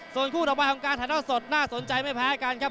ส่วนคู่ต่อไปของการถ่ายเท่าสดน่าสนใจไม่แพ้กันครับ